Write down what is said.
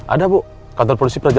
ada bu kantor polisi praja v bu